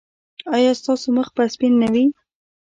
ایا ستاسو مخ به سپین نه وي؟